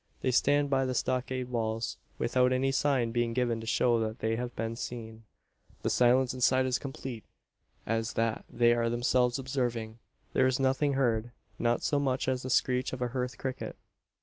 They stand by the stockade walls, without any sign being given to show that they have been seen. The silence inside is complete, as that they are themselves observing. There is nothing heard not so much as the screech of a hearth cricket.